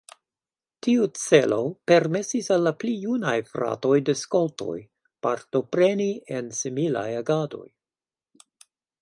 Tiu celo permesis al la pli junaj fratoj de skoltoj partopreni en similaj agadoj.